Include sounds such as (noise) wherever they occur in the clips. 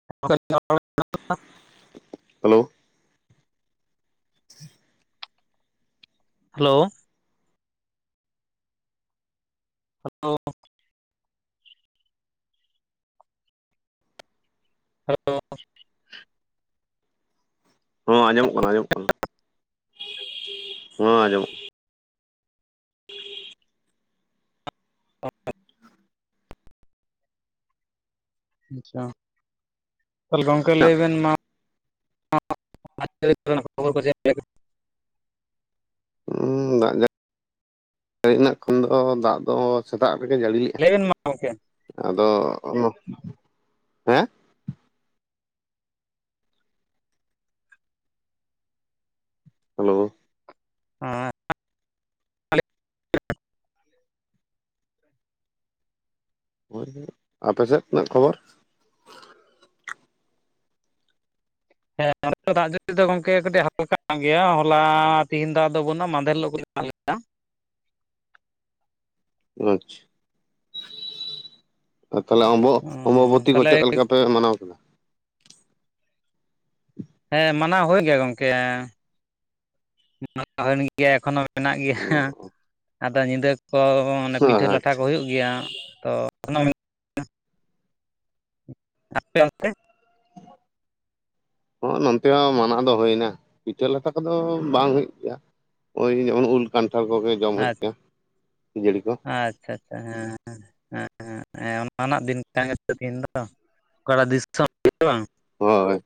(unintelligible) Hello (unintelligible) hello (unintelligible) (unintelligible) ᱦᱚᱸ ᱟᱸᱡᱚᱢᱚᱜ ᱠᱟᱱᱟ ᱟᱸᱡᱚᱢᱚᱜ ᱠᱟᱱᱟ (inaudible) ᱦᱚᱸ ᱟᱸᱡᱚᱢᱚᱜ ᱠᱟᱱᱟ ᱟᱪᱷᱟ ᱛᱟᱦᱚᱞᱮ ᱜᱚᱝᱠᱮ ᱠᱟᱱᱟ ᱞᱟᱹᱭ ᱵᱮᱱ ᱢᱟ? (inaudible) ᱦᱩ ᱫᱟᱜ ᱡᱟ, ᱡᱟᱹᱲᱤᱱᱟᱜ ᱠᱷᱚᱱ ᱫᱚ ᱫᱟᱜ ᱫᱚ ᱥᱮᱛᱟᱜ ᱵᱮᱲᱮ ᱡᱟᱹᱲᱤ ᱞᱮᱼᱟ, ᱞᱟᱹᱭ ᱵᱮᱱ ᱢᱟ ᱜᱚᱝᱠᱮ ᱟᱫᱚ, ᱦᱮᱸ? ᱦᱮᱞᱳ (unintelligible) ᱦᱳᱭᱻ ᱟᱯᱮ ᱥᱮᱫ ᱱᱟᱜ ᱠᱷᱚᱵᱚᱨ ᱦᱮᱸ ᱫᱟᱜ ᱡᱟᱹᱲᱤ ᱫᱚ ᱜᱚᱝᱠᱮ ᱠᱟᱹᱴᱤᱡ ᱦᱟᱞᱠᱟ ᱠᱟᱱ ᱜᱮᱭᱟ ᱦᱚᱞᱟ ᱛᱮᱦᱤᱧ ᱫᱟᱜ ᱫᱚ ᱾ ᱟᱪᱪᱷᱟ ᱟᱨ ᱛᱟᱦᱞᱮ, ᱚᱢᱵᱚ, ᱚᱢᱵᱟᱵᱚᱛᱤ ᱠᱚ, ᱛᱟᱦᱚᱞᱮ ᱪᱮᱫ ᱞᱮᱠᱟ ᱯᱮ ᱢᱟᱱᱟᱣ ᱠᱮᱫᱟ? ᱦᱮᱸ, ᱢᱟᱱᱟᱣ ᱦᱳᱭᱮᱱ ᱜᱮᱭᱟ ᱜᱚᱝᱠᱮ, (unintelligible) ᱢᱟᱱᱟᱣ ᱦᱳᱭᱮᱱ ᱜᱮᱭᱟ ᱮᱠᱷᱚᱱᱚ ᱢᱮᱱᱟᱜ ᱜᱷᱮᱸᱭᱟ ᱟᱫᱚ ᱧᱤᱸᱫᱟᱹ ᱠᱚᱻ ᱯᱤᱴᱷᱟᱹ ᱞᱟᱴᱷᱟ ᱟᱪᱪᱷᱟ ᱠᱚ ᱦᱩᱭᱩᱜ ᱜᱮᱭᱟ ᱛᱚ (unintelligible) ᱟᱯᱮ‌ ᱚᱱᱛᱮ? (unintelligible) ᱦᱚᱸ ᱱᱚᱱᱛᱮ ᱦᱚᱸ ᱢᱟᱱᱟᱣ ᱫᱚ ᱦᱩᱭᱱᱟ ᱯᱤᱴᱷᱟᱹ ᱞᱟᱴᱷᱟ ᱠᱚᱫᱚ ᱵᱟᱝ ᱦᱩᱭᱩᱜ ᱜᱮᱭᱟ ᱳᱭ ᱤᱧ ᱚᱱ ᱩᱞ ᱠᱟᱱᱴᱷᱟᱲ ᱠᱚᱜᱮ ᱡᱚᱢ ᱦᱩᱭᱩᱜ ᱟᱪᱪᱷᱟ ᱜᱮᱭᱟ, ᱠᱷᱤᱡᱟᱹᱲᱤ ᱠᱚ᱾ ᱟᱪᱪᱷᱟ ᱦᱮᱸ, ᱦᱮᱸ (unintelligible) ᱦᱮᱸ ᱚᱱᱟᱱᱟᱜ ᱫᱤᱱ ᱠᱟᱜᱮ ᱫᱤᱱ ᱫᱚ, ᱚᱠᱟᱴᱟᱜ ᱫᱤᱥᱚᱢ ᱵᱟᱝ ᱦᱚᱻᱚᱭ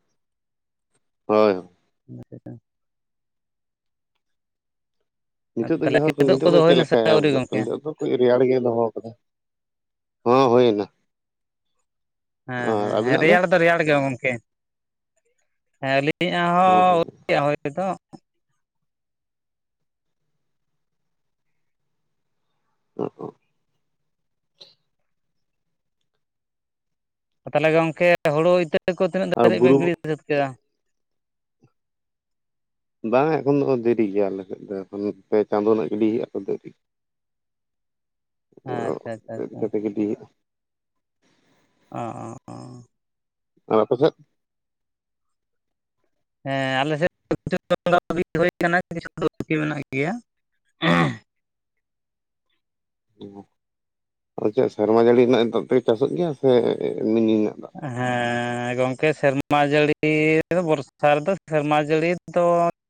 ᱦᱳᱭᱳ (unintelligible) ᱱᱤᱛᱚᱜ ᱫᱚ ᱛᱟᱦᱚᱞᱮ ᱡᱟ ᱦᱳᱠ ᱠᱤᱫᱩᱵ ᱱᱤᱛᱚᱜ ᱠᱚᱫᱚ ᱫᱚ ᱪᱮᱫ ᱦᱩᱭᱱᱟ ᱥᱮ ᱟᱹᱣᱨᱤ ᱵᱩᱡᱳᱜ ᱠᱟᱱᱟ ᱜᱚᱢᱠᱮ? ᱱᱤᱛᱚᱜ ᱫᱚ ᱠᱟᱹᱡ ᱨᱮᱭᱟᱲ ᱜᱮ ᱫᱚᱦᱚ ᱠᱟᱫᱟ, ᱦᱚᱸ ᱦᱩᱭ ᱮᱱᱟ᱾ ᱦᱮᱸ ᱦᱮᱸ ᱦᱮᱸ ᱨᱮᱭᱟᱲ ᱫᱚ ᱨᱮᱭᱟᱲ ᱜᱮ ᱜᱚᱢᱠᱮ ᱦᱮᱸ ᱟᱹᱞᱤᱧᱟᱜ ᱦᱮᱸ ᱦᱚᱸ (unintelligible) (unintelligible) ᱛᱟᱦᱚᱞᱮ ᱜᱚᱝᱠᱮ ᱦᱳᱲᱩ ᱤᱛᱟᱹ ᱠᱚ ᱛᱤᱱᱟᱹᱜ ᱟᱨ ᱫᱷᱟᱹᱨᱤᱡ ᱵᱩᱨᱩ ᱵᱮᱱ ᱜᱤᱬᱤ ᱥᱟᱹᱛ ᱠᱮᱫᱟ? ᱵᱟᱝ ᱮᱠᱷᱚᱱ ᱫᱚ ᱫᱮᱨᱤ ᱜᱮᱭᱟ ᱟᱞᱮ ᱥᱮᱫ ᱫᱚ ᱮᱠᱷᱚᱱ ᱯᱮ ᱪᱟᱸᱫᱚ ᱜᱤᱰᱤ ᱦᱩᱭᱩᱜ-ᱟ ᱾ ᱟᱪᱪᱷᱟ ᱟᱪᱪᱷᱟ ᱟᱪᱪᱷᱟ᱾ ᱜᱟᱹᱰᱤ ᱦᱩᱭᱩᱜᱼᱟ ᱚᱸ ᱚᱸ ᱟᱯᱮ ᱥᱮᱫ (unintelligible) ᱟ ᱪᱮᱫ ᱥᱮᱨᱢᱟ ᱡᱟᱹᱲᱤ ᱨᱮᱱᱟᱜ ᱫᱟᱜ ᱛᱮᱜᱮ ᱪᱟᱥᱚᱜ ᱜᱮᱭᱟ ᱥᱮ ᱢᱤᱱᱤ ᱨᱮᱱᱟᱜ ᱫᱟᱜ? ᱦᱮᱸ ᱜᱚᱝᱠᱮ ᱥᱮᱨᱢᱟ ᱡᱟᱹᱲᱤ ᱵᱚᱨᱥᱟ ᱨᱮᱫᱚ ᱥᱮᱨᱢᱟ ᱡᱟᱹᱲᱤ ᱫᱚ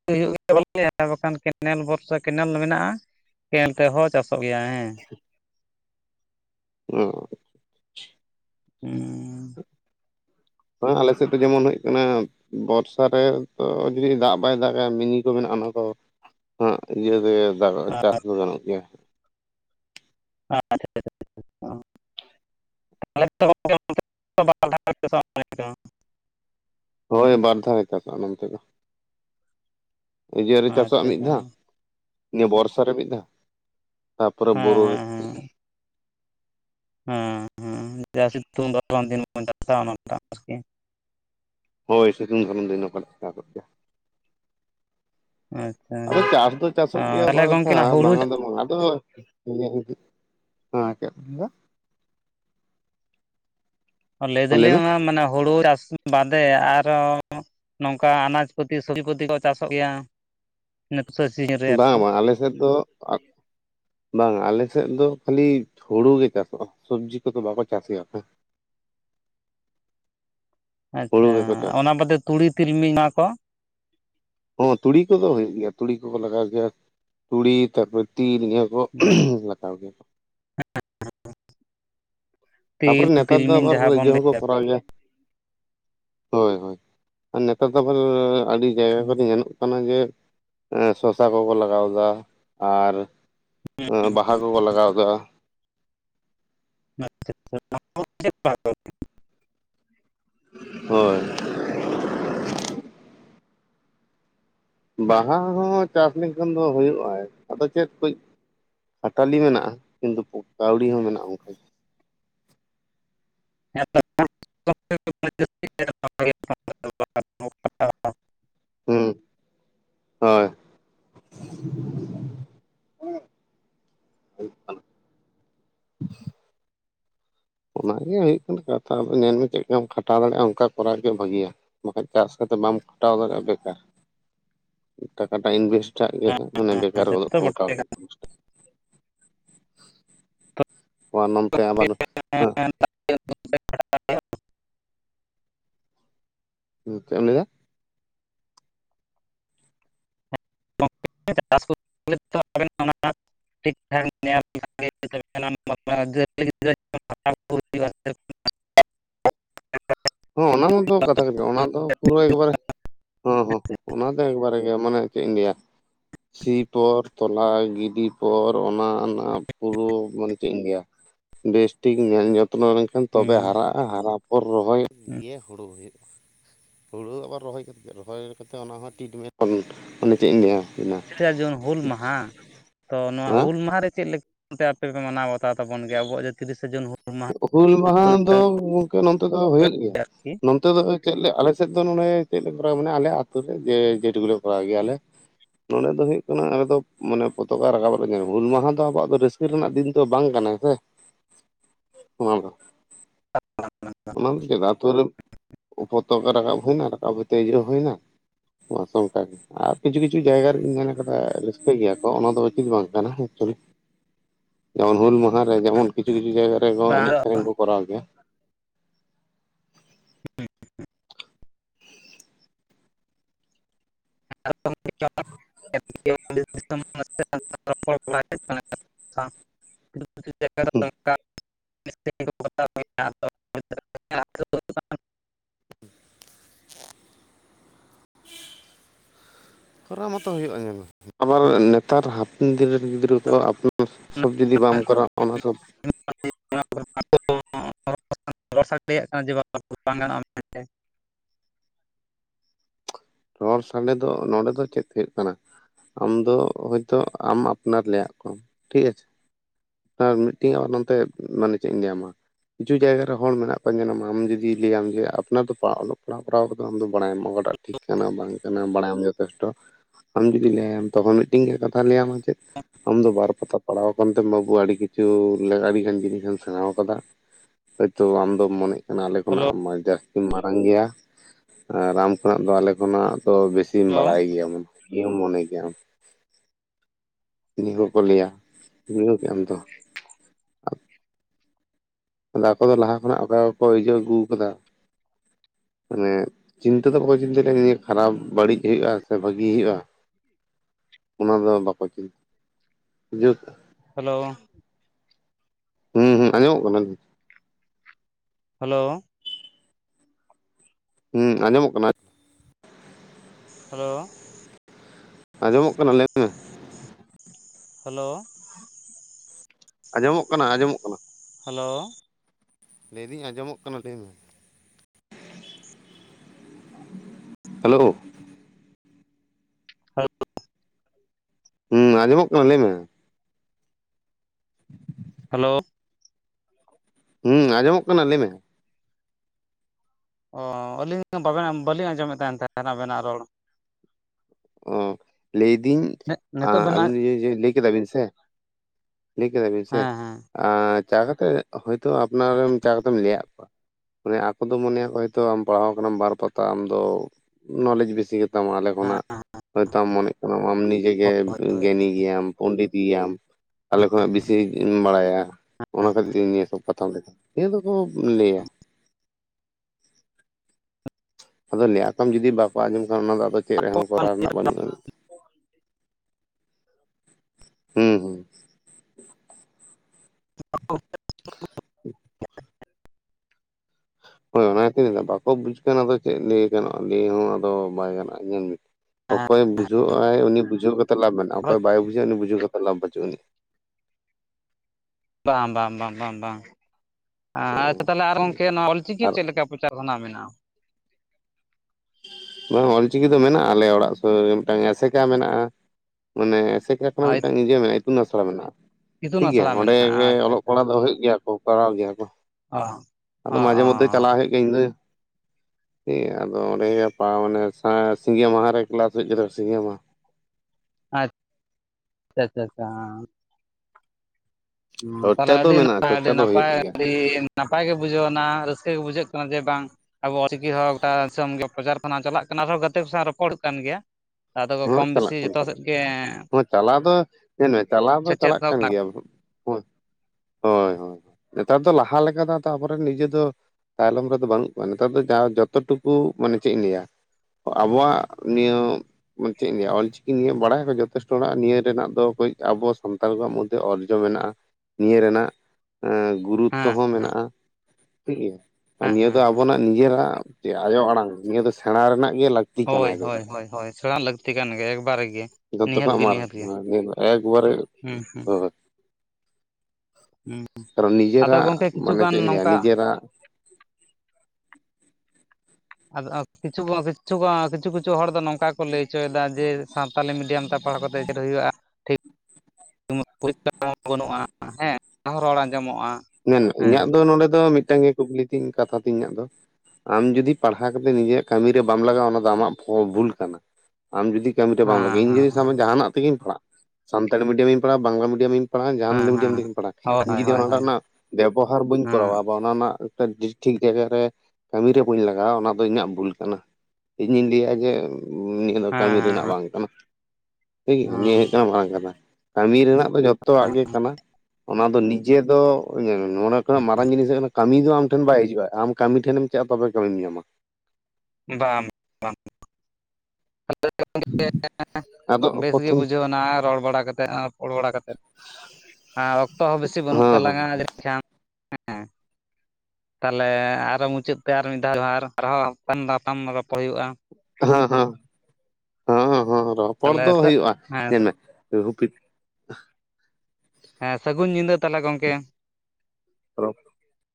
ᱦᱩᱭᱩᱜ ᱜᱮᱭᱟ ᱵᱚᱞᱮ ᱟᱨ ᱵᱟᱠᱷᱟᱱ ᱠᱮᱱᱮᱞ ᱵᱷᱚᱨᱥᱟ ᱠᱮᱱᱮᱞ ᱢᱮᱱᱟᱜᱼᱟ ᱾ ᱠᱮᱱ ᱛᱮᱦᱚᱸ ᱪᱟᱥᱚᱜ ᱜᱮᱭᱟ ᱦᱮᱸ ᱚᱸ ᱦᱩᱸ ᱦᱮ ᱟᱞᱮᱥᱮᱫ ᱫᱚ ᱡᱮᱢᱚᱱ ᱦᱩᱭᱩᱜ ᱠᱟᱱᱟ ᱵᱚᱨᱥᱟ ᱨᱮ ᱛᱚ ᱡᱩᱫᱤ ᱫᱟᱜ ᱵᱟᱭ ᱫᱟᱜᱟ ᱢᱤᱱᱤ ᱠᱚ ᱢᱮᱱᱟᱜᱼᱟ ᱚᱱᱟ ᱠᱚ ᱦᱟᱸᱜ ᱤᱭᱟᱹ ᱨᱮ ᱫᱟᱜ ᱪᱟᱥ ᱫᱚ ᱜᱟᱱᱚᱜ ᱜᱮᱭᱟ ᱦᱟᱸᱜ (unintelligible) (unintelligible) ᱦᱳᱭ ᱵᱟᱨ ᱫᱷᱟᱣᱮ ᱪᱟᱥᱚᱜ-ᱟ, ᱱᱚᱱᱛᱮ ᱫᱚ ᱾ ᱤᱭᱟᱹᱨᱮ ᱪᱟᱥᱚᱜᱼᱟ ᱟᱪᱪᱷᱟ ᱢᱤᱫ ᱦᱮᱸ ᱫᱷᱟᱣ ᱱᱤᱭᱟᱹ ᱵᱚᱨᱥᱟ ᱨᱮ ᱢᱤᱫ ᱫᱷᱟᱣ ᱛᱟᱯᱚᱨᱮ ᱦᱮᱸ ᱵᱳᱨᱳ ᱨᱮ (unintelligible) ᱦᱮᱸ ᱦᱮᱸ ᱦᱮᱸ ᱡᱟ ᱥᱤᱛᱩᱝ ᱜᱚᱨᱚᱢ ᱫᱤᱱ (unintelligible) ᱟᱨᱠᱤ ᱦᱳᱭ ᱥᱤᱛᱩᱝ ᱫᱷᱚᱨᱚᱱ ᱫᱤᱱ ᱱᱚᱝᱠᱟᱱᱟᱜ (unintelligible) (unintelligible) ᱟᱫᱚ ᱪᱟᱥ ᱫᱚ ᱪᱟᱥᱚᱜ ᱜᱮᱭᱟ ᱛᱟᱦᱚᱞᱮ ᱵᱟᱨ ᱜᱚᱢᱠᱮ ᱚᱱᱟ ᱫᱷᱟᱣ ᱦᱩᱲᱩ ᱵᱟᱝᱟ ᱫᱚ ᱵᱟᱝ ᱟᱫᱚ (unintelligible) ᱦᱮᱸ ᱪᱮᱫ ᱵᱤᱱ ᱢᱮᱱᱫᱟ ᱞᱟᱹᱭ ᱢᱮ ᱞᱟᱹᱭᱫᱟᱞᱤᱧ ᱢᱟᱱᱮ ᱦᱩᱲᱩ ᱪᱟᱥ ᱵᱟᱫᱮ ᱟᱨᱚ ᱱᱚᱝᱠᱟ ᱟᱱᱟᱡᱽ ᱯᱟᱹᱛᱤ ᱥᱚᱵᱽᱡᱤ ᱯᱟᱹᱛᱤ ᱠᱚ ᱪᱟᱥᱚᱜ ᱜᱮᱭᱟ (unintelligible) ᱵᱟᱝ ᱵᱟᱝ ᱟᱞᱮ ᱥᱮᱫ ᱫᱚ ᱵᱟᱝ ᱟᱞᱮᱥᱮᱫ ᱫᱚ ᱠᱷᱟᱹᱞᱤ ᱦᱩᱲᱩ ᱜᱮ ᱪᱟᱥᱚᱜᱼᱟ ᱥᱚᱵᱽᱡᱤ ᱠᱚᱫᱚ ᱵᱟᱠᱚ ᱪᱟᱥᱜᱮᱭᱟ ᱚᱠᱚᱭ (inaudible) ᱟᱪᱪᱷᱟ, ᱚᱱᱟ ᱵᱟᱫᱮ ᱛᱩᱲᱤ ᱛᱤᱞᱢᱤᱧ ᱚᱱᱟ ᱠᱚ? ᱦᱚᱸ ᱛᱩᱲᱤ ᱠᱚᱫᱚ ᱦᱩᱭᱩᱜ ᱜᱮᱭᱟ ᱛᱩᱲᱤ ᱠᱚᱠᱚ ᱞᱟᱜᱟᱣ ᱜᱮᱭᱟ ᱛᱩᱲᱤ ᱛᱟᱨᱯᱚᱨᱮ ᱛᱤᱞ ᱡᱟᱦᱟᱸ (unintelligible) ᱞᱟᱛᱟᱣ ᱜᱮ ᱠᱚ ᱛᱤᱞ ᱛᱟᱨᱯᱚᱨᱮ ᱱᱮᱛᱟᱨ ᱫᱚ ᱛᱤᱞᱢᱤᱧ ᱟᱵᱟᱨ ᱡᱟᱦᱟᱸ ᱵᱚᱱ ᱤᱭᱟᱹ ᱞᱟᱹᱭ ᱦᱚᱸᱠᱚ ᱠᱚᱨᱟᱣ ᱜᱮᱭᱟ ᱦᱳᱭ ᱦᱳᱭ ᱟᱨ ᱱᱮᱛᱟᱨ ᱫᱚ ᱵᱚᱞᱮ ᱟᱹᱰᱤ ᱡᱟᱭᱜᱟ ᱠᱚᱨᱮ ᱧᱮᱞᱚᱜ ᱠᱟᱱᱟ ᱡᱮ ᱥᱚᱥᱟ ᱠᱚᱠᱚ ᱞᱟᱜᱟᱣᱫᱟ ᱟᱨ ᱵᱟᱦᱟ ᱠᱚᱠᱚ ᱞᱟᱜᱟᱣᱫᱟ᱾ (unintelligible) ᱦᱳᱭ ᱵᱟᱦᱟ ᱦᱚᱸ ᱪᱟᱥ ᱞᱮᱱᱠᱷᱟᱱ ᱫᱚ ᱦᱩᱭᱩᱜᱼᱟ, ᱟᱫᱚ ᱪᱮᱫ ᱠᱟᱹᱡ ᱠᱷᱴᱟᱞᱤ ᱢᱮᱱᱟᱜᱼᱟ ᱠᱤᱱᱛᱩ ᱠᱟᱹᱣᱰᱤ ᱦᱚᱸ ᱢᱮᱱᱟᱜᱼᱟ ᱚᱱᱠᱟ ᱜᱮ ᱦᱮᱸ ᱛᱚ (unintelligible) ᱦᱩᱸ, ᱦᱳᱭ (inaudible) ᱚᱱᱟ ᱜᱮ ᱦᱩᱭᱩᱜ ᱠᱟᱱᱟ ᱠᱟᱛᱷᱟ ᱫᱚ ᱧᱮᱞ ᱢᱮ ᱪᱮᱫ ᱞᱮᱠᱟᱢ ᱠᱷᱟᱴᱟᱣ ᱫᱟᱲᱮᱭᱟᱜᱼᱟ ᱚᱱᱠᱟ ᱠᱚᱨᱟᱣ ᱵᱷᱟᱜᱮᱭᱟ᱾ ᱵᱟᱠᱷᱟᱡ ᱪᱟᱥ ᱠᱟᱛᱮᱫ ᱵᱟᱢ ᱠᱷᱟᱴᱟᱣ ᱫᱟᱲᱮᱭᱟᱜᱼᱟ ᱵᱮᱠᱟᱨ ᱴᱟᱠᱟ ᱴᱟᱜ ᱤᱱᱵᱷᱮᱥᱴᱟᱜ ᱜᱮ ᱢᱚᱱᱮ ᱦᱮᱸ ᱵᱮᱠᱟᱨᱠᱟ ᱜᱚᱫᱚᱜ ᱥᱮᱛᱚ ᱛᱟᱢᱟ ᱠᱟ. ᱵᱚᱴᱷᱮ ᱣᱰᱤ ᱡᱤᱱᱤᱥ ᱴᱟᱜ ᱚᱱᱟ ᱱᱚᱱᱛᱮ ᱟᱵᱟᱨ ᱦᱮᱸ (unintelligible) ᱦᱩᱸ ᱪᱮᱫ ᱮᱢ ᱞᱟᱹᱭᱮᱫᱟ? ᱪᱟᱥ ᱠᱚ (unintelligible) ᱴᱷᱤᱠ ᱴᱷᱟᱠ ᱧᱮᱞ ᱠᱟᱜ ᱜᱮ ᱛᱟᱦᱮᱱᱟᱢ (unintelligible) (unintelligible) (unintelligible) ᱦᱚᱸ ᱚᱱᱟ ᱢᱟ ᱫᱚ ᱠᱟᱛᱷᱟ ᱠᱟᱱ ᱜᱮ ᱚᱱᱟ ᱫᱚ ᱯᱩᱨᱟᱹ ᱮᱠᱵᱟᱨᱮ ᱦᱚᱸ ᱦᱚᱸ ᱚᱱᱟ ᱫᱚ ᱮᱠᱵᱟᱨᱮ ᱜᱮ ᱢᱟᱱᱮ ᱪᱮᱫ ᱤᱧ ᱞᱟ. ᱭᱟ ᱼᱼ ᱥᱤ ᱯᱚᱨ ᱛᱚᱞᱟ ᱜᱤᱰᱤ ᱯᱚᱨ ᱚᱱᱟ ᱨᱮᱱᱟᱜ ᱯᱩᱨᱟᱹ ᱢᱟᱱᱮ ᱪᱮᱫ ᱤᱧ ᱞᱟᱹᱭ-ᱟ ᱼᱼ ᱵᱮᱥᱴᱷᱤᱠ ᱧᱮᱞ ᱡᱚᱛᱱᱚ ᱞᱮᱱᱠᱷᱟᱱ ᱛᱚᱵᱮ ᱦᱩᱸ ᱦᱟᱨᱟᱜᱼᱟ᱾ ᱦᱟᱨᱟ ᱯᱚᱨ ᱨᱚᱦᱚᱭ ᱼᱼ ᱤᱭᱟᱹ ᱦᱩᱲᱩ ᱦᱩᱭᱩᱜᱼᱟ। ᱦᱩᱲᱩ ᱟᱵᱟᱨ ᱨᱚᱦᱚᱭ ᱠᱟᱛᱮ ᱪᱮᱫ ᱨᱚᱦᱚᱭ ᱠᱟᱛᱮᱫ ᱚᱱᱟ ᱦᱚᱸ ᱴᱤᱴᱢᱮᱴ ᱢᱟᱱᱮ ᱪᱮᱫ ᱤᱧ ᱞᱟᱹᱭᱟ ᱵᱤᱱᱟ ᱛᱤᱨᱤᱥᱟ ᱡᱩᱱ ᱦᱩᱞ ᱢᱟᱦᱟ ᱛᱚ ᱱᱚᱣᱟ ᱦᱮᱸ ᱦᱩᱞ ᱢᱟᱦᱟ ᱨᱮ ᱪᱮᱫ ᱞᱮᱠᱟ ᱟᱯᱮ ᱯᱮ ᱢᱟᱱᱟᱣ ᱵᱟ ᱛᱟᱣ ᱛᱟᱵᱚᱱ ᱜᱮ ᱟᱵᱚᱣᱟᱜ ᱡᱮ ᱛᱤᱨᱤᱥᱮ ᱡᱩᱱ ᱼᱼ ᱦᱩᱞ ᱢᱟᱦᱟ ᱫᱚ ᱜᱚᱝᱠᱮ ᱱᱚᱱᱛᱮ ᱫᱚ ᱦᱩᱭᱩᱜ ᱜᱮᱭᱟ। ᱱᱚᱱᱛᱮ ᱫᱚ ᱪᱮᱫ ᱞᱮ ᱟᱞᱮᱥᱮᱫ ᱫᱚ ᱱᱚᱸᱰᱮ ᱪᱮᱫ ᱞᱮ ᱠᱚᱨᱟᱣᱟ ᱢᱟᱱᱮ ᱟᱞᱮ ᱟᱛᱩ ᱨᱮ ᱡᱮᱴᱩᱠᱩ ᱞᱮ ᱠᱚᱨᱟᱣ ᱜᱮᱭᱟᱞᱮ᱾ ᱱᱚᱸᱰᱮ ᱫᱚ ᱦᱩᱭᱩᱜ ᱠᱟᱱᱟ ᱟᱞᱮᱫᱚ ᱢᱟᱱᱮ ᱯᱚᱛᱠᱟ ᱨᱟᱠᱟᱵ ᱨᱮᱜᱮ ᱦᱩᱞ ᱢᱟᱦᱟ ᱫᱚ ᱟᱵᱚᱣᱟᱜ ᱫᱚ ᱨᱟᱹᱥ ᱼᱼ ᱠᱟᱹ ᱨᱮᱱᱟᱜ ᱫᱤᱱ ᱫᱚ ᱵᱟᱝ ᱠᱟᱱᱟ ᱥᱮ। ᱚᱱᱟ ᱫᱚ᱾ ᱚᱱᱟ ᱦᱚ ᱸᱪᱮᱫ ᱟᱹᱛᱩ ᱨᱮ (unintelligible) ᱡᱚᱛᱚᱜ ᱜᱮ ᱨᱟᱠᱟᱵ ᱦᱩᱭᱱᱟ ᱨᱟᱠᱟᱵ ᱦᱩᱭ ᱟᱛᱮ ᱤᱭᱟᱹ ᱦᱩᱭ ᱮᱱᱟ ᱵᱟᱥ ᱚᱱᱠᱟ ᱜᱮ। ᱟᱨ ᱠᱤᱪᱷᱩ ᱠᱤᱪᱷᱩ ᱡᱟᱭᱜᱟᱨᱮᱧ ᱧᱮᱞ ᱟᱠᱟᱫᱟ ᱨᱟᱹᱥᱠᱟᱹ ᱜᱮᱭᱟ ᱠᱚ ᱚᱱᱟ ᱫᱚ ᱩᱪᱤᱛ ᱵᱟᱝ ᱠᱟᱱᱟ᱾ ᱮᱠᱪᱩᱭᱮᱞᱤ ᱼᱼ ᱡᱮᱢᱚᱱ ᱦᱩᱞ ᱢᱟᱦ ᱨᱮ ᱡᱮᱢᱚᱱ ᱠᱤᱪᱷᱩ ᱠᱤᱪᱷᱩ ᱡᱟᱭᱜᱟ ᱨᱮ ᱠᱚ ᱵᱟᱝ ᱮᱱᱮᱡ ᱥᱮᱨᱮᱧ ᱠᱚ ᱠᱚᱨᱟᱣ ᱜᱮᱭᱟ। ᱚ (inaudible) (inaudible) (inaudible) (inaudible) (inaudible) (inaudible) ᱦᱩᱸ ᱟᱫᱚ ᱦᱚᱨᱟ ᱢᱚᱛᱚ ᱦᱩᱭᱩᱜᱼᱟ ᱧᱮᱞ ᱟᱵᱟᱨ ᱱᱮᱛᱟᱨ ᱦᱟ ᱫᱨᱮᱱ ᱜᱤᱫᱽᱨᱟᱹ ᱠᱚ ᱟᱯᱨ ᱥᱚᱵ ᱡᱩᱫᱤ ᱵᱟᱢ ᱠᱚᱨᱟᱣᱟ ᱚᱱᱟ ᱥᱚᱵ ᱼᱼ (inaudible) ᱚᱲ ᱨᱟᱭᱟᱜ ᱠᱟᱱᱟ ᱡᱮ ᱵᱟᱝ ᱜᱟᱱᱚᱜᱼᱟ ᱢᱮᱱᱛᱮ। ᱨᱚᱲ ᱥᱟᱱᱰᱮ ᱫᱚ ᱱᱚᱰᱮ ᱫᱚ ᱪᱮᱫ ᱦᱩᱭᱩᱜ ᱠᱟᱱᱟ ᱟᱢ ᱫᱚ ᱦᱳᱭᱛᱚ ᱟᱢ ᱟᱯᱱᱟᱨ ᱞᱮᱭᱟᱜ ᱠᱚ ᱟᱢ ᱴᱷᱤᱠ ᱟᱪᱷᱮ᱾ ᱟᱨ ᱢᱤᱫᱴᱮᱱ ᱚᱱᱟᱛᱮ ᱢᱟᱱᱮ ᱪᱮᱫ ᱤᱧ ᱧᱟᱭ ᱟᱢᱟ᱾ ᱠᱤᱪᱷᱩ ᱡᱟᱭᱜᱟ ᱨᱮ ᱦᱚᱲ ᱢᱮᱱᱟᱜ ᱠᱚᱣᱟ ᱧᱮᱞᱟᱢ ᱟᱢ ᱡᱩᱫᱤ ᱞᱟᱹᱭᱟᱢ ᱡᱮ ᱟᱯᱱᱟᱨ ᱫᱚ ᱯᱟᱲ (unintelligible) ᱚᱞᱚᱜ ᱯᱟᱲᱦᱟᱣ ᱠᱚᱨᱟᱣ ᱠᱟᱛᱮ (inaudible) ᱟᱢ ᱫᱚ ᱵᱟᱲᱟᱭᱟᱢ ᱚᱠᱟᱴᱟᱜ ᱴᱷᱤᱠ ᱠᱟᱱᱟ ᱵᱟᱝ ᱠᱟᱱᱟ ᱵᱟᱲᱟᱭᱟᱢ ᱡᱚᱛᱷᱮᱥᱴᱚ। ᱟᱢ ᱡᱩᱫᱤ ᱞᱟᱹᱭ ᱟᱭᱟᱢ ᱛᱚᱠᱷᱚᱱ ᱢᱤᱫᱴᱮᱱ ᱜᱮ ᱠᱟᱛᱷᱟ ᱞᱟᱹᱭ ᱟᱢᱟ ᱪᱮᱫ ᱼᱼ ᱟᱢ ᱫᱚ ᱵᱟᱨ ᱯᱟᱛᱟ ᱯᱟᱲᱟᱣ ᱟᱠᱟᱱᱛᱮᱢ ᱵᱟᱹᱵᱩ ᱟᱹᱰᱤ ᱠᱤᱪᱷᱩ ᱟᱹᱰᱤᱜᱟᱱ ᱡᱤᱱᱤᱥᱮᱢ ᱥᱮᱬᱟᱣ ᱟᱠᱟᱫᱟ। ᱦᱚᱭᱛᱚ ᱟᱢᱫᱚᱢ ᱢᱚᱱᱮᱜ ᱼᱼ ᱠᱟᱱᱟ ᱟᱞᱮ ᱦᱮᱞᱳ ᱠᱷᱚᱱᱟᱜ ᱢᱟ ᱡᱟᱹᱥᱛᱤᱢ ᱢᱟᱨᱟᱝ ᱜᱮᱭᱟ ᱨᱟᱢ ᱠᱷᱚᱱᱟᱜ ᱫᱚ ᱟᱞᱮ ᱠᱷᱚᱱᱟᱜ ᱫᱚ ᱵᱮᱥᱤ ᱼᱼ ᱤᱢ ᱦᱮᱞᱳ ᱵᱟᱲᱟᱭ ᱜᱮᱭᱟ ᱟᱢᱚᱱ ᱤᱭᱟᱹ ᱦᱚᱸ ᱢᱚᱱᱮ ᱜᱮᱭᱟᱢ ᱤᱱᱟᱹ ᱦᱚᱸᱠᱚ ᱞᱟᱹᱭᱟ ᱵᱩᱡᱷᱟᱹᱣ ᱠᱮ ᱟᱢ ᱛᱚ। ᱟᱫᱚ ᱟᱠᱚ ᱫᱚ ᱞᱟᱦᱟ ᱠᱷᱚᱱᱟᱜ ᱚᱠᱟᱠᱚ ᱤᱡᱟᱹᱜ (unintelligible) ᱟᱹᱜᱩ ᱟᱠᱟᱫᱟ᱾ ᱢᱟᱱᱮ ᱼᱼ ᱪᱤᱱᱛᱟᱹ ᱫᱚ ᱵᱟᱠᱚ ᱪᱤᱱᱛᱟᱹ ᱞᱮ ᱟ ᱡᱮ ᱠᱷᱟᱨᱟᱯ ᱵᱟᱹᱲᱤᱡ ᱦᱩᱭᱩᱜᱼᱟ ᱥᱮ ᱵᱷᱟᱜᱤ ᱦᱩᱭᱩᱜᱼᱟ। ᱚᱱᱟ ᱫᱚ ᱵᱟᱠᱚ ᱪᱤᱱᱛᱟᱹ᱾ ᱵᱩᱡᱷᱟᱹᱣ ᱠᱮ ᱟᱢ (inaudible) ᱦᱮᱞᱳ ᱦᱩᱸ ᱦᱩᱸ ᱟᱸᱡᱚᱢᱚᱜ ᱠᱟᱱᱟ ᱜᱚᱝᱠᱮ (inaudible) ᱦᱮᱞᱳ ᱦᱩᱸ ᱟᱸᱡᱚᱢᱚᱜ ᱠᱟᱱᱟ। ᱦᱮᱞᱳ ᱟᱸᱡᱚᱢᱚᱜ ᱠᱟᱱᱟ ᱞᱟᱹᱭ ᱢᱮ। ᱦᱮᱞᱳ ᱟᱸᱡᱚᱢᱚᱜ ᱠᱟᱱᱟ ᱟᱸᱡᱚᱢᱚᱜ ᱠᱟᱱᱟ। ᱦᱮᱞᱳ ᱞᱟᱹᱭᱫᱟᱹᱧ ᱟᱸᱡᱚᱢᱚᱜ ᱠᱟᱱᱟ ᱞᱟᱹᱭ ᱢᱮ। ᱦᱮᱞᱳ ᱦᱸ ᱟᱸᱡᱚᱢᱚᱜ ᱠᱟᱱᱟ ᱞᱟᱹᱭ ᱢᱮ। ᱦᱮᱞᱳ (inaudible) ᱦᱩᱸ ᱟᱸᱡᱚᱢᱚᱜ ᱠᱟᱱᱟ ᱞᱟᱹᱭ ᱢᱮ। ᱚᱻ ᱟᱹᱞᱤᱧ ᱵᱟᱵᱮᱱ ᱵᱟᱹᱞᱤᱧ ᱟᱸᱡᱚᱢᱮᱫ ᱛᱟᱦᱮᱱ ᱛᱟᱦᱮᱱᱟ ᱟᱵᱮᱱᱟᱜ ᱨᱚᱲ। ᱚ ᱞᱟᱹᱭᱫᱤᱧ ᱱᱤᱛᱚᱜ ᱵᱮᱱ ᱟᱹᱵᱤᱱ ᱦᱮᱸ ᱫᱚ ᱡᱮ ᱞᱟᱹᱭ ᱠᱮᱫᱟ ᱵᱤᱱ ᱥᱮ ᱞᱟᱹᱭ ᱠᱮᱫᱟ ᱵᱤᱱ ᱥᱮ ᱦᱮᱸ ᱪᱟ ᱠᱟᱛᱮ ᱦᱚᱳᱭ ᱛᱳ ᱟᱯᱱᱟᱨᱮᱢ ᱪᱟ ᱠᱟᱛᱮᱢ ᱞᱟᱹᱭᱟᱫ ᱠᱚᱣᱟ ᱢᱟᱱᱮ ᱟᱠᱚ ᱫᱚ ᱢᱚᱱᱮᱭᱟ ᱠᱚ ᱦᱚᱭᱛᱚ ᱟᱢ ᱯᱟᱲᱦᱟᱣ ᱟᱠᱟᱱᱟᱢ ᱵᱟᱨ ᱯᱟᱛᱟ ᱟᱢ ᱫᱚ ᱱᱚᱞᱮᱡᱽ ᱵᱮᱥᱤ ᱜᱮᱛ ᱛᱟᱢ ᱟᱞᱮ ᱦᱮᱸ ᱠᱷᱚᱱᱟᱜ ᱦᱚᱭᱛᱚ ᱟᱢ ᱢᱚᱱᱮᱜ ᱠᱟᱱᱟᱢ ᱟᱢ ᱱᱤᱡᱮ ᱜᱮ ᱦᱳᱭ ᱦᱳᱭ ᱜᱮᱭᱟᱱᱤ ᱜᱮᱭᱟᱢ ᱯᱚᱱᱰᱤᱛ ᱜᱮᱭᱟᱢ, ᱟᱞᱮ ᱠᱷᱚᱱᱟᱜ ᱵᱮᱥᱤᱢ ᱵᱟᱲᱟᱭᱟ ᱚᱱᱟ ᱠᱷᱟᱹᱛᱤᱨ ᱤᱧ ᱱᱤᱭᱟᱹ ᱥᱚᱵ ᱠᱟᱛᱷᱟ, ᱛᱟᱦᱚᱞᱮ ᱱᱤᱭᱟᱹ ᱫᱚᱠᱚ ᱞᱟᱹᱭᱟ, ᱟᱫᱚ ᱞᱟᱹᱭ ᱟᱠᱚᱢ ᱡᱩᱫᱤ ᱵᱟᱠᱚ ᱟᱸᱡᱚᱢ ᱠᱷᱟᱱ ᱚᱱᱟ ᱫᱚ ᱟᱫᱚ ᱪᱮᱫ ᱨᱮᱦᱚᱸ ᱠᱚᱨᱟᱣ ᱨᱮᱱᱟᱜ ᱵᱟᱹᱱᱩᱜᱼᱟ, ᱦᱩᱸ ᱦᱩᱸ, (unintelligible) (inaudible) ᱦᱳᱭ ᱚᱱᱟᱜᱛᱮᱧ ᱞᱟᱹᱭᱫᱟ ᱵᱟᱠᱚ ᱵᱩᱡ ᱠᱷᱟᱱ ᱟᱫᱚ ᱪᱮᱫ ᱞᱟᱹᱭ ᱜᱟᱱᱚᱜᱼᱟ ᱞᱟᱹᱭ ᱦᱚᱸ ᱟᱫᱚ ᱵᱟᱭ ᱜᱟᱱᱚᱜᱼᱟ ᱧᱮᱞ (unintelligible) ᱦᱮᱸ ᱚᱠᱚᱭ ᱮ ᱵᱩᱡᱷᱟᱹᱜ ᱟᱭ ᱩᱱᱤ ᱵᱩᱡᱷᱟᱹᱣ ᱠᱟᱛᱮᱫ ᱞᱟᱵᱷ ᱢᱮᱱᱟᱜᱼᱟ, ᱚᱠᱚᱭ ᱵᱟᱭ ᱵᱩᱡᱷᱟᱹᱜᱼᱟ ᱩᱱᱤ ᱵᱩᱡᱷᱟᱹᱣ ᱠᱟᱛᱮ ᱞᱟᱵᱷ ᱵᱟᱹᱪᱩᱜ ᱟᱱᱤᱤᱡ, ᱵᱟᱝ ᱵᱟᱝ ᱵᱟᱝ ᱵᱟᱝ ᱵᱟᱝ ᱟᱪᱪᱷᱟ ᱛᱟᱦᱚᱞᱮ ᱟᱨ ᱜᱚᱢᱠᱮ ᱱᱚᱣᱟ ᱚᱞ ᱪᱤᱠᱤ ᱟᱨ ᱪᱮᱫ ᱞᱮᱠᱟ? ᱯᱚᱪᱟᱨ ᱠᱷᱚᱱᱟᱜ ᱢᱮᱱᱟᱜᱼᱟ, ᱵᱟᱝ ᱚᱞᱪᱤᱠᱤ ᱫᱚ ᱢᱮᱱᱟᱜᱼᱟ ᱟᱞᱮ ᱚᱲᱟᱜ ᱥᱩᱨ ᱨᱮ ᱢᱤᱫᱴᱟᱝ ᱮᱥᱮᱠᱟ ᱢᱮᱱᱟᱜᱼᱟ ᱢᱟᱱᱮ ᱮᱥᱮᱠᱟ ᱢᱤᱫᱴᱟᱝ ᱤᱭᱟᱹ ᱢᱮᱱᱟᱜᱼᱟ ᱤᱛᱩᱱ ᱟᱥᱲᱟ ᱢᱮᱱᱟᱜᱼᱟ ᱤᱛᱩᱱ ᱴᱷᱤᱠ ᱜᱮᱭᱟ ᱟᱥᱲᱟ ᱚᱸᱰᱮ ᱢᱮᱱᱟᱜᱼᱟ ᱜᱮ ᱟᱪᱪᱷᱟ ᱚᱞᱚᱜ ᱟᱪᱪᱷᱟ ᱯᱟᱲᱦᱟᱜ ᱫᱚ ᱦᱩᱭᱩᱜ ᱜᱮᱭᱟ ᱠᱚ, ᱯᱟᱲᱦᱟᱣ ᱜᱮᱭᱟ ᱠᱚ ᱚ ᱟᱫᱚ ᱚ ᱢᱟᱡᱷᱮ ᱚ ᱢᱚᱫᱽᱫᱷᱮ ᱪᱟᱞᱟᱣ ᱦᱩᱭᱩᱜ ᱤᱧ ᱫᱚ ᱦᱮᱸ ᱟᱫᱚ ᱚᱸᱰᱮ ᱵᱟᱝ ᱚᱱᱮ ᱥᱟᱭ ᱥᱤᱸᱜᱮ ᱢᱟᱦᱟ ᱨᱮ ᱠᱮᱞᱟᱥ ᱦᱩᱭᱩᱜ ᱜᱮᱫᱚ ᱥᱤᱸᱜᱮ ᱢᱟᱦᱟ, ᱟᱪ ᱪᱟ ᱪᱟ ᱪᱟ ᱦᱩᱸ ᱛᱟᱦᱚᱞᱮ ᱪᱚᱨᱪᱟ ᱫᱚ ᱟᱹᱰᱤ ᱢᱮᱱᱟᱜᱼᱟ ᱱᱟᱯᱟᱭ ᱟᱹᱰᱤ ᱪᱚᱨᱪᱟ ᱫᱚ ᱱᱟᱯᱟᱭ ᱦᱩᱭᱩᱜ ᱜᱮᱭᱟ ᱟᱹᱰᱤ ᱱᱟᱯᱟᱭ ᱜᱮ ᱵᱩᱡᱷᱟᱹᱣ ᱱᱟ ᱨᱟᱹᱥᱠᱟᱹ ᱜᱮ ᱵᱩᱡᱷᱟᱹᱜ ᱠᱟᱱᱟ ᱡᱮ ᱵᱟᱝ ᱟᱵᱚ ᱚᱞᱪᱤᱠᱤ ᱦᱚᱸ ᱜᱚᱴᱟ ᱫᱤᱥᱚᱢ ᱜᱮ ᱯᱨᱚᱪᱟᱨ ᱠᱷᱚᱱᱟᱜ ᱪᱟᱞᱟᱜ ᱠᱟᱱᱟ ᱟᱨᱦᱚᱸ ᱜᱟᱛᱮ ᱠᱚ ᱥᱟᱶ ᱨᱚᱯᱚᱲ ᱦᱩᱭᱩᱜ ᱠᱟᱱ ᱜᱮᱭᱟ, ᱟᱫᱚ ᱦᱮ ᱠᱚᱢ ᱪᱟᱞᱟᱜ ᱵᱮᱥᱤ ᱡᱚᱛᱚ ᱥᱮᱫ ᱠᱟᱱᱛᱟᱞᱤᱭᱟ ᱜᱮ ᱦᱚᱸ ᱪᱟᱞᱟᱣ ᱫᱚ ᱧᱮᱞᱢᱮ ᱪᱟᱞᱟᱣ ᱫᱚ ᱪᱟᱞᱟᱜ ᱥᱮᱪᱮᱫᱚᱜ ᱠᱟᱱ ᱠᱟᱱᱟ ᱜᱤᱭᱟ, ᱦᱳᱭ ᱦᱳᱭ ᱦᱳᱭ ᱱᱮᱛᱟᱨ ᱫᱚ ᱞᱟᱦᱟ ᱞᱮᱠᱟ ᱫᱚ ᱟᱫᱚ ᱟᱵᱚᱨᱮᱱ ᱱᱤᱡᱮ ᱫᱚ ᱛᱟᱭᱞᱚᱢ ᱨᱮᱫᱚ ᱵᱟᱹᱱᱩᱜ ᱠᱚᱣᱟ ᱱᱮᱛᱟᱨ ᱫᱚ ᱡᱟ ᱡᱚᱛᱚ ᱴᱩᱠᱩ ᱢᱟᱱᱮ ᱪᱮᱫ ᱤᱧ ᱞᱟᱹᱭᱟ, ᱟᱵᱚᱣᱟᱜ ᱱᱤᱭᱟᱹ ᱢᱟᱱᱮ ᱪᱮᱫ ᱤᱧ ᱞᱟᱹᱭᱟ ᱚᱞᱪᱤᱠᱤ ᱱᱤᱭᱟᱹ ᱵᱟᱲᱟᱭ ᱟᱠᱚ ᱡᱚᱛᱷᱮᱥᱴᱚ ᱦᱚᱲᱟᱜ ᱱᱤᱭᱟᱹ ᱨᱮᱱᱟᱜ ᱫᱚ ᱠᱟᱹᱡ ᱟᱵᱚ ᱥᱟᱱᱛᱟᱲ ᱠᱚᱣᱟᱜ ᱢᱩᱫᱽᱫᱷᱮ ᱚᱨᱡᱚ ᱢᱮᱱᱟᱜᱼᱟ, ᱱᱤᱭᱟᱹ ᱨᱮᱱᱟᱜ ᱜᱩᱨᱩᱛᱛᱚ ᱦᱮᱸ ᱦᱚᱸ ᱢᱮᱱᱟᱜᱼᱟ ᱴᱷᱤᱠ ᱜᱮᱭᱟ ᱟᱨ ᱦᱮᱸ ᱱᱤᱭᱟᱹ ᱦᱮᱸ ᱫᱚ ᱦᱮᱸ ᱟᱵᱚᱱᱟᱜ ᱱᱤᱡᱮᱨᱟᱜ ᱪᱮᱫ ᱟᱭᱳ ᱟᱲᱟᱝ ᱱᱤᱭᱟᱹ ᱫᱚ ᱥᱮᱬᱟ ᱨᱮᱱᱟᱜ ᱜᱮ ᱞᱟᱹᱠᱛᱤ ᱠᱟᱱᱟ ᱦᱳᱭ ᱦᱳᱭ ᱮᱠᱵᱟᱨ ᱦᱳᱭ ᱦᱳᱭ ᱥᱮᱬᱟ ᱞᱟᱹᱠᱛᱤ ᱠᱟᱱ ᱜᱮᱭᱟ ᱮᱠᱵᱟᱨᱮ ᱜᱮ, ᱡᱷᱚᱛᱚ ᱱᱤᱦᱟᱹᱛ ᱠᱷᱚᱱ ᱜᱮ ᱢᱟᱨᱟᱝ ᱱᱤᱦᱟᱹᱛ ᱜᱮ ᱟᱨ ᱱᱤᱭᱟᱹ ᱫᱚ ᱮᱠᱵᱟᱨᱮ ᱜᱮ ᱦᱩᱸ ᱦᱩᱸ ᱦᱳᱭ ᱦᱩᱸ ᱠᱟᱨᱚᱱ ᱟᱫᱚ ᱱᱤᱡᱮᱨᱟᱜ ᱜᱚᱝᱠᱮ ᱠᱤᱪᱷᱩ ᱢᱟᱱᱮ ᱜᱟᱱ ᱪᱮᱫ ᱤᱧ ᱞᱭᱟ ᱱᱚᱝᱠᱟ ᱱᱤᱡᱮᱨᱟᱜ ᱟᱫᱚ ᱠᱤᱪᱷᱩ ᱜᱚ ᱠᱤᱪᱷᱩ ᱜᱚ ᱠᱤᱪᱷᱩ ᱠᱤᱪᱷᱩ ᱦᱚᱲ ᱫᱚ ᱱᱚᱝᱠᱟ ᱜᱮᱠᱚ ᱞᱟᱹᱭ ᱦᱚᱪᱚᱭᱮᱫᱟ ᱡᱮ ᱥᱟᱱ ᱛᱟᱞᱤ ᱢᱤᱰᱤᱭᱟᱢ ᱛᱮ ᱯᱟᱲᱦᱟᱣ ᱠᱟᱛᱮᱫ ᱪᱮᱫ ᱦᱩᱭᱩᱜᱼᱟ, (inaudible) ᱠᱳᱱᱚ ᱯᱚᱨᱤᱠᱟᱴᱷᱟᱢᱩ ᱦᱚᱸ ᱵᱟᱹᱱᱩᱜᱼᱟ ᱦᱮᱸ ᱚᱱᱟ ᱦᱚ ᱨᱚᱲ ᱟᱸᱡᱚᱢᱚᱜᱼᱟ, ᱢᱮᱱ ᱤᱧᱟᱜ ᱦᱮᱸ ᱫᱚ ᱱᱚᱰᱮ ᱫᱚ ᱢᱤᱫᱴᱟᱝ ᱜᱮ ᱠᱩᱠᱞᱤ ᱛᱤᱧ ᱠᱟᱛᱷᱟ ᱛᱤᱧ ᱤᱧᱟᱜ ᱫᱚ, ᱟᱢ ᱡᱩᱫᱤ ᱯᱟᱲᱦᱟᱣ ᱠᱟᱛᱮᱫ ᱱᱤᱡᱮᱨᱟᱜ ᱠᱟᱹᱢᱤᱨᱮ ᱵᱟᱢ ᱞᱟᱜᱟᱣᱼᱟ ᱚᱱᱟ ᱫᱚ ᱟᱢᱟᱜ ᱯᱷᱚ ᱵᱷᱩᱞ ᱠᱟᱱᱟ, ᱟᱢ ᱡᱩᱫᱤ ᱠᱟᱹᱢᱤᱨᱮ ᱵᱟᱢ ᱦᱮᱸ ᱞᱟᱜᱟᱣ-ᱟ ᱤᱧ ᱡᱩᱫᱤ ᱥᱟᱵ ᱦᱮᱸ ᱢᱮ ᱡᱟᱦᱟᱱᱟᱜ ᱛᱤᱜᱤᱧ ᱯᱟᱲᱦᱟᱜ, ᱥᱟᱱᱛᱟᱲᱤ ᱢᱰᱤᱭᱟᱢ ᱤᱧ ᱯᱟᱲᱦᱟᱜ, ᱵᱟᱝᱞᱟ ᱢᱤᱰᱤᱭᱟᱢ ᱤᱧ ᱯᱟᱲᱦᱟᱜ ᱡᱟᱦᱟᱱ ᱦᱮᱸ ᱞᱤᱢᱤᱰᱤᱭᱟᱢ ᱦᱮᱸ ᱛᱮᱜᱤᱧ ᱯᱟᱲᱦᱟᱜ ᱦᱳᱭ ᱤᱧ ᱦᱳᱭ ᱡᱩᱫᱤ ᱦᱳᱭ ᱚᱱᱟᱴᱟᱜ ᱦᱮᱸ ᱨᱮᱱᱟᱜ ᱵᱮᱵᱚᱦᱟᱨ ᱵᱟᱹᱧ ᱦᱮᱸ ᱠᱚᱨᱟᱣᱟ ᱵᱟ ᱚᱱᱟ ᱨᱮᱱᱟᱜ ᱢᱤᱫᱴᱟᱝ ᱵᱮᱥ ᱴᱷᱤᱠ ᱡᱟᱭᱜᱟᱨᱮ ᱠᱟᱹᱢᱤ ᱨᱮ ᱵᱟᱹᱧ ᱞᱟᱜᱟᱣᱟ ᱚᱱᱟ ᱫᱚ ᱤᱧᱟᱹᱜ ᱵᱷᱩᱞ ᱠᱟᱱᱟ, ᱤᱧ ᱤᱧ ᱞᱟᱹᱭᱟ ᱡᱮ ᱱᱤᱭᱟᱹ ᱫᱚ ᱠᱟᱹᱢᱤ ᱨᱮᱱᱟᱜ ᱦᱮᱸ ᱵᱟᱝ ᱠᱟᱱᱟ ᱴᱷᱤᱠ ᱜᱮᱭᱟ ᱱᱤᱭᱟᱹ ᱦᱩᱭᱩᱜ ᱠᱟᱱᱟ ᱢᱟᱨᱟᱝ ᱠᱟᱛᱷᱟ, ᱠᱟᱹᱢᱤ ᱨᱮᱱᱟᱜ ᱫᱚ ᱡᱷᱚᱛᱚᱣᱟᱜ ᱜᱮ ᱠᱟᱱᱟ ᱚᱱᱟ ᱫᱚ ᱱᱤᱡᱮ ᱫᱚ ᱧᱮᱞᱢᱮ ᱱᱚᱸᱰᱮ ᱠᱷᱚᱱᱟᱜ ᱢᱟᱨᱟᱝ ᱡᱤᱱᱤᱥ ᱫᱚ ᱦᱩᱭᱩᱜ ᱠᱟᱱᱟ ᱠᱟᱹᱢᱤ ᱫᱚ ᱟᱢ ᱴᱷᱮᱱ ᱵᱟᱭ ᱦᱤᱡᱩᱜᱼᱟ, ᱟᱢ ᱠᱟᱹᱢᱤ ᱴᱷᱮᱱᱮᱢ ᱪᱟᱜᱼᱟ ᱛᱚᱵᱮ ᱠᱟᱹᱢᱤᱢ ᱧᱟᱢᱟ, ᱵᱟᱝ ᱵᱟᱝ (inaudible) (unintelligible) ᱟᱫᱚ ᱵᱮᱥ ᱜᱮ ᱯᱨᱚᱛᱷᱚᱢ ᱵᱩᱡᱷᱟᱹᱣᱱᱟ ᱨᱚᱲ ᱵᱟᱲᱟ ᱠᱟᱛᱮᱫ ᱨᱚᱯᱚᱲ ᱵᱟᱲᱟ ᱠᱟᱛᱮᱫ, ᱟᱨ ᱚᱠᱛᱚ ᱦᱚᱸ ᱵᱮᱥᱤ ᱦᱮᱸ ᱵᱟᱹᱱᱩᱜ ᱛᱟᱞᱟᱝᱟ ᱦᱮᱸ ᱡᱟᱱᱤᱪ ᱠᱷᱟᱱ ᱛᱟᱞᱮ ᱟᱨᱚ ᱢᱩᱪᱟᱹᱫ ᱛᱮ ᱟᱨ ᱢᱤᱫ ᱫᱷᱟᱣ ᱡᱚᱦᱟᱨ ᱟᱨᱦᱚᱸ (inaudible) ᱨᱚᱯᱚᱲ ᱦᱩᱭᱩᱜᱼᱟ᱾ ᱦᱚᱸ ᱦᱚᱸ ᱦᱚᱸ ᱦᱚᱸ ᱨᱚᱯᱚᱲ ᱛᱟᱦᱚᱞᱮ ᱫᱚ ᱦᱩᱭᱩᱜᱼᱟ ᱦᱮᱸ ᱧᱮᱞ ᱢᱮ ᱦᱩᱯᱤᱫᱼᱼ ᱦᱮᱸ ᱥᱟᱹᱜᱩᱱ ᱧᱤᱫᱟᱹ ᱛᱟᱞᱮ ᱜᱚᱝᱠᱮ᱾ ᱦᱮᱞᱳ